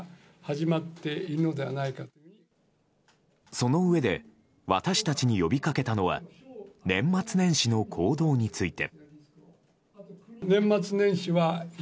そのうえで私たちに呼びかけたのは年末年始の行動について。